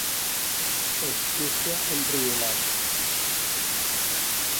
Es queixa, enriolat—.